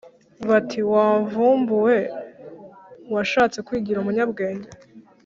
bati"wavumbuwe washatse kwigira umunyabwenge